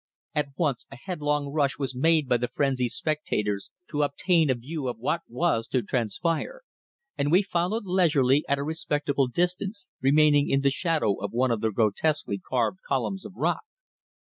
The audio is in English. At once a headlong rush was made by the frenzied spectators to obtain a view of what was to transpire, and we followed leisurely at a respectable distance, remaining in the shadow of one of the grotesquely carved columns of rock.